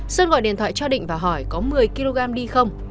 sơn gọi điện thoại cho định và hỏi có một mươi kg đi không